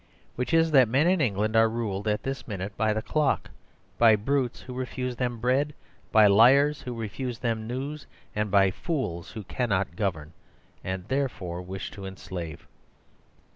Which is, that men in England are ruled, at this minute by the clock, by brutes who refuse them bread, by liars who refuse them news, and by fools who cannot govern, and therefore wish to enslave.